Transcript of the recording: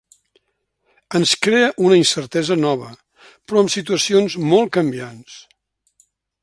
Ens crea una incertesa nova, però amb situacions molt canviants.